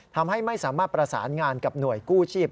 ทำให้ไม่สามารถประสานงานกับหน่วยกู้ชีพ